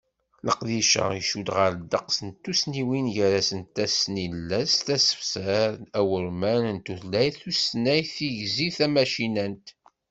Leqdic-a, icudd ɣer ddeqs n tussniwin gar-asent: Tasnilest, asefser awurman n tultayt, tusnakt, tigzi tamacinant.